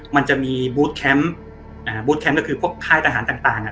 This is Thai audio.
มันจะมีบูธแคมป์อ่าบูธแคมป์ก็คือพวกค่ายทหารต่างต่างอ่ะ